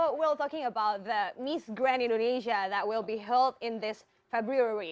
mr nawat kita sedang berbicara tentang miss grand indonesia yang akan diberikan pada februari ini